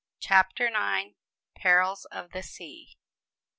CHAPTER IX. PERILS OF THE SEA.